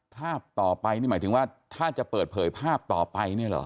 ภาพต่อไปนี่หมายถึงว่าถ้าจะเปิดเผยภาพต่อไปเนี่ยเหรอ